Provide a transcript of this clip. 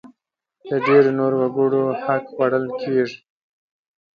د ډېری نورو وګړو حق خوړل کېږي.